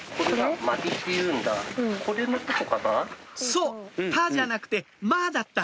そう「タ」じゃなくて「マ」だった！